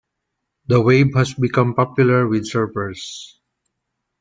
The wave has become popular with surfers.